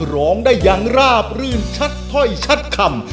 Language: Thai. ร้องได้อย่างราบรื่นชัดถ้อยชัดคำ